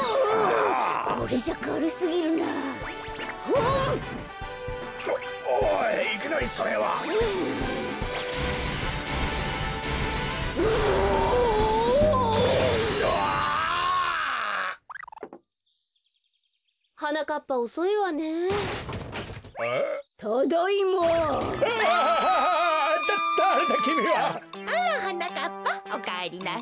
あらはなかっぱおかえりなさい。